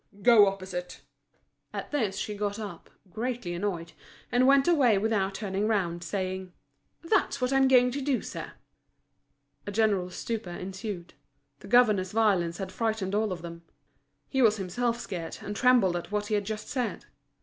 go opposite!" At this she got up, greatly annoyed, and went away without turning round, saying: "That's what I am going to do, sir." A general stupor ensued. The governor's violence had frightened all of them. He was himself scared, and trembled at what he had just said.